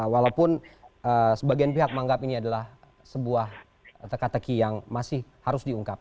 walaupun sebagian pihak menganggap ini adalah sebuah teka teki yang masih harus diungkap